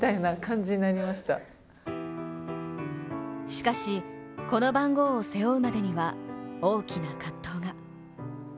しかし、この番号を背負うまでには大きな葛藤が。